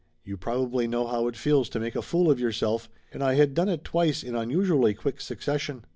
You probably know how it feels to make a fool of yourself, and I had done it twice in unusually quick succession.